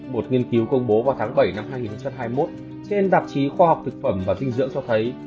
một nghiên cứu công bố vào tháng bảy năm hai nghìn hai mươi một trên tạp chí khoa học thực phẩm và dinh dưỡng cho thấy